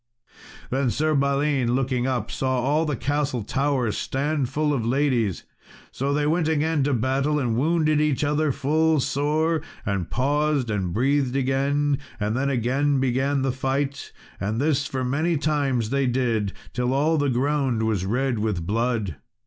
Then Sir Balin, looking up, saw all the castle towers stand full of ladies. So they went again to battle, and wounded each other full sore, and paused, and breathed again, and then again began the fight; and this for many times they did, till all the ground was red with blood.